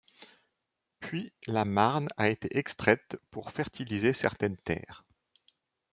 Puis la marne a été extraite pour fertiliser certaines terres.